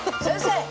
先生！